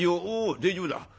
「お大丈夫だ。